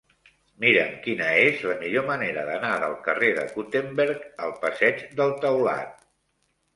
Mira'm quina és la millor manera d'anar del carrer de Gutenberg al passeig del Taulat.